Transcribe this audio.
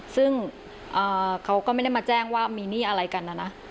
ซึ่งเขาก็ไม่ได้มาแจ้งว่ามีหนี้อะไรกันนะนะ